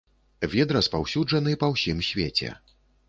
Від распаўсюджаны па ўсім свеце.